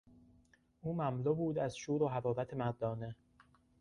او مملو بود از شور و حرارت مردانه.